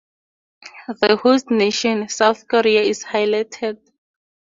The host nation, South Korea, is highlighted.